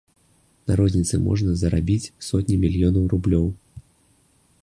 На розніцы можна зарабіць сотні мільёнаў рублёў.